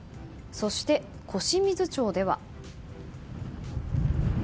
そして小清水町では。